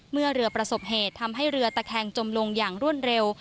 เมื่อเรือประสบเหตุทำให้เรือตะแคงจมลงอย่างรวดเร็ว